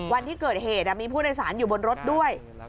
วันที่เกิดเหตุมีผู้โดยสารอยู่บนรถด้วย